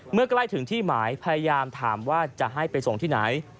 เมื่อใกล้ถึงที่หมายพยายามถามว่าจะให้ไปส่งที่ไหน